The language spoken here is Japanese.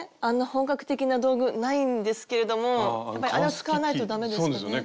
本格的な道具ないんですけれどもあれは使わないと駄目ですかね？